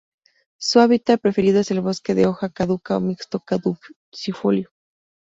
Su hábitat preferido es el bosque de hoja caduca o mixto caducifolio.